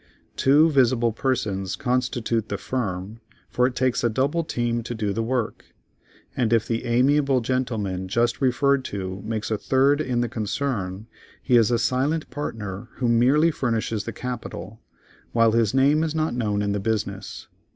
Two visible persons constitute the firm, for it takes a double team to do the work, and if the amiable gentleman just referred to makes a third in the concern, he is a silent partner who merely furnishes capital, while his name is not known in the business.